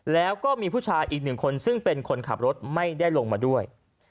แล้วก็มีผู้ชายอีกหนึ่งคนซึ่งเป็นคนขับรถไม่ได้ลงมาด้วย